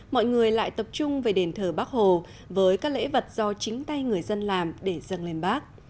mọi người lại tập trung về đền thờ bắc hồ với các lễ vật do chính tay người dân làm để dâng lên bác